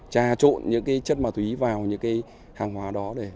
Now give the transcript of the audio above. trà trộn những chất ma túy vào những hàng hóa đó để vận chuyển